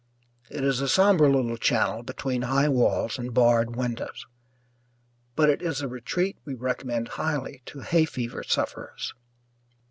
It is a sombre little channel between high walls and barred windows, but it is a retreat we recommend highly to hay fever sufferers.